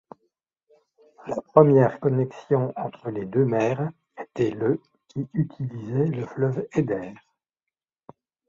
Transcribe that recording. La première connexion entre les deux mers était le qui utilisait le fleuve Eider.